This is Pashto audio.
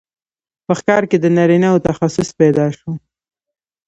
په ښکار کې د نارینه وو تخصص پیدا شو.